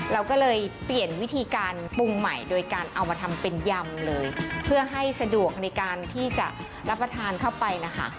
เราก็เลยเปลี่ยนวิธีการปรุงใหม่โดยการเอามาทำเป็นยำเลยเพื่อให้สะดวกในการที่จะรับประทานเข้าไปนะคะ